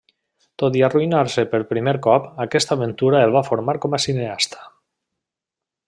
Tot i arruïnar-se per primer cop, aquesta aventura el va formar com a cineasta.